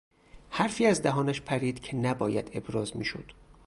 حرفی از دهانش پرید که نباید ابراز میشد.